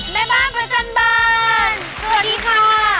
แม่บ้านประจันบรรย์สวัสดีค่ะ